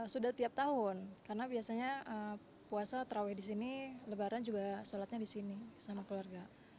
sudah tiap tahun karena biasanya puasa terawih di sini lebaran juga sholatnya di sini sama keluarga